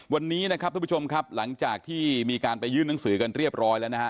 วันนี้นะครับทุกผู้ชมครับหลังจากที่มีการไปยื่นหนังสือกันเรียบร้อยแล้วนะฮะ